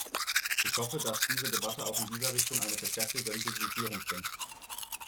Ich hoffe, dass diese Debatte auch in dieser Richtung eine verstärkte Sensibilisierung bringt.